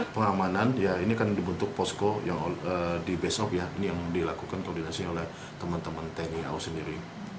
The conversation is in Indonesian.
pengamanan ya ini kan dibentuk posko yang di besok ya ini yang dilakukan koordinasi oleh teman teman tni au sendiri